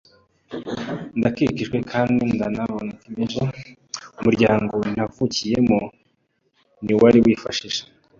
ndakijijwe kandi ndanabikomeje, umuryango navukiyemo ntiwari wifashije